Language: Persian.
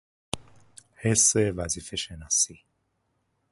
حس وظیفهشناسی